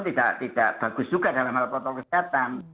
tidak bagus juga dalam hal protokol kesehatan